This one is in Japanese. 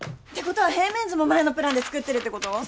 ってことは平面図も前のプランで作ってるってこと？